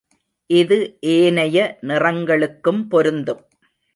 இது ஏனைய நிறங்களுக்கும் பொருந்தும்.